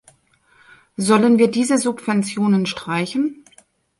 Sollen wir diese Subventionen streichen?